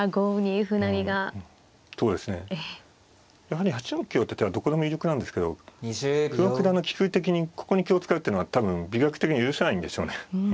やはり８四香って手はどこでも有力なんですけど久保九段の棋風的にここに香を使うってのが多分美学的に許せないんでしょうね。